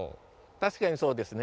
確かにそうですね。